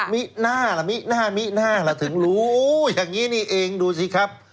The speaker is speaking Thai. มิน่าล่ะมิหน้ามิน่าล่ะถึงรู้อย่างนี้นี่เองดูสิครับ